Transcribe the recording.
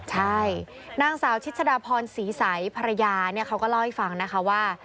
ใช่นางสาวชิชดาพรศรีใสภรรยาเขาก็เล่าให้ฟังนะคะว่า